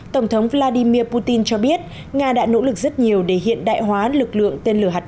tổng thống vladimir putin cho biết nga đã nỗ lực rất nhiều để hiện đại hóa lực lượng tên lửa hạt nhân